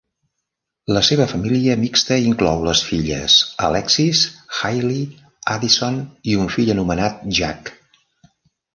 La seva família mixta inclou les filles Alexis, Hailey, Addison i un fill anomenat Jack.